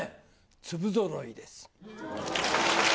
粒ぞろいです。